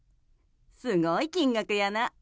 すごい金額やな。